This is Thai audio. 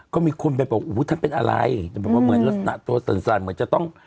ก็มีคนไปบอกท่านเป็นอะไรเหมือนลักษณะตัวสนสันเหมือนจะต้อง